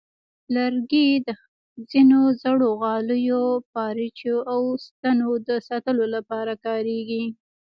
لرګي د ځینو زړو غالیو، پارچو، او ستنو د ساتلو لپاره کارېږي.